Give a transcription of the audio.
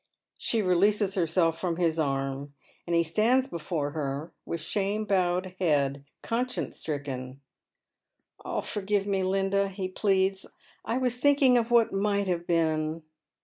She releases herself from his arm, and he stands before her with shame bowed head, conscience stricken. " Forgive me, Linda," he pleads. " I was thinking of what might have been.